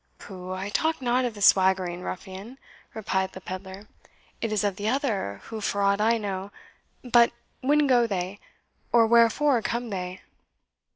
"Pooh I talk not of the swaggering ruffian," replied the pedlar; "it is of the other, who, for aught I know But when go they? or wherefore come they?"